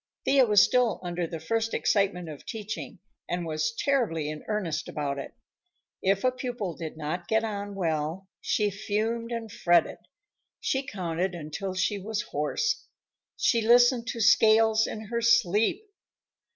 Thea was still under the first excitement of teaching, and was terribly in earnest about it. If a pupil did not get on well, she fumed and fretted. She counted until she was hoarse. She listened to scales in her sleep.